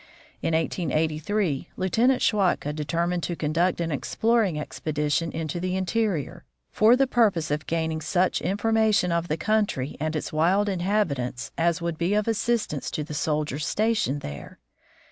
In 1883, Lieutenant Schwatka determined to conduct an exploring expedition into the interior, for the purpose of gaining such information of the country and its wild inhabitants as would be of assistance to the soldiers stationed there.